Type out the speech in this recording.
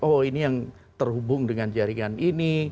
oh ini yang terhubung dengan jaringan ini